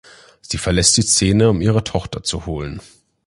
Sie verlässt die Szene, um ihre Tochter zu holen.